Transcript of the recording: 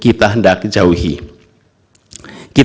kita dihadapkan oleh sebuah negara yang berada di dalam titik krusial